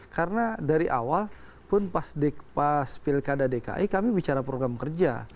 karena dari awal pun pas pilkada dki kami bicara program kerja